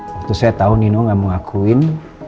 waktu saya tahu nino gak mau ngakuin